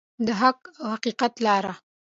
د حق او حقیقت لاره.